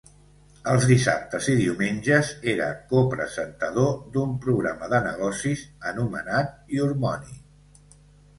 Els dissabtes i diumenges era copresentador d'un programa de negocis anomenat "Your Money".